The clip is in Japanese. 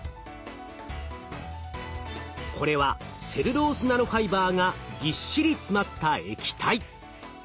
これはセルロースナノファイバーがぎっしり詰まった液体。